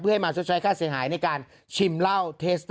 เพื่อให้มันใช้ค่าเสียหายในการชิมเหล้า